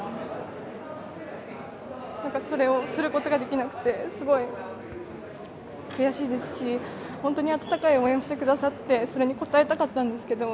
それをすることができなくてすごい悔しいですし本当に温かい応援をしてくださってそれに応えたかったんですけど